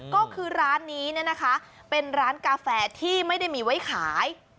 ก็คือร้านนี้เป็นร้านกาแฟที่ไม่ได้มีไว้ขาย